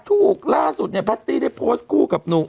ล่าสุดเนี่ยแพตตี้ได้โพสต์คู่กับหนุ่ม